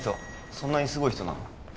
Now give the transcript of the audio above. そんなにすごい人なの？